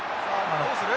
どうする？